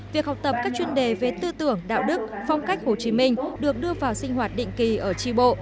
việc học tập các chuyên đề về tư tưởng đạo đức phong cách hồ chí minh được đưa vào sinh hoạt định kỳ ở tri bộ